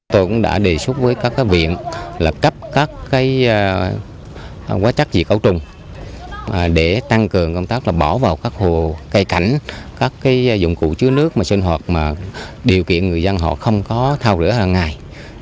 tôi cũng đã đề xuất với các viện là cấp các hóa chất gì cầu trùng để tăng cường công tác là bỏ vào các hồ cây cảnh các dụng cụ chứa nước mà sinh hoạt mà điều kiện người dân họ không có thao rửa hàng ngày